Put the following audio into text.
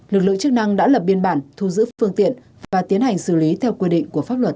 lực lượng chức năng đã lập biên bản thu giữ phương tiện và tiến hành xử lý theo quy định của pháp luật